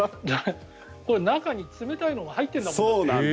中に冷たいのが入ってるんだもん。